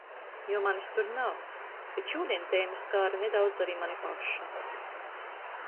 Jo manis tur nav. Bet šodien tēma skāra nedaudz arī mani pašu.